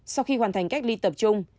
sau khi hoàn thành cách ly tập trung